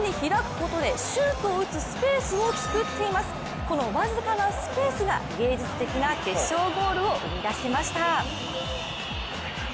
この僅かなスペースが、芸術的な決勝ゴールを生み出しました。